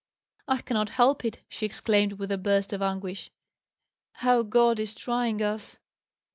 "I cannot help it," she exclaimed, with a burst of anguish. "How God is trying us!"